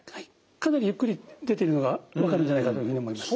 かなりゆっくり出ているのが分かるんじゃないかというふうに思います。